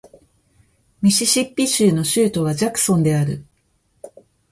ミシシッピ州の州都はジャクソンである